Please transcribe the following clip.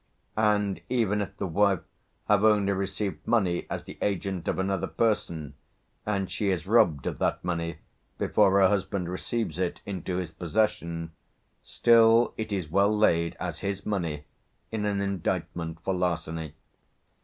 And even if the wife have only received money as the agent of another person, and she is robbed of that money before her husband receives it into his possession, still it is well laid as his money in an indictment for larceny.